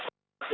dan dan dan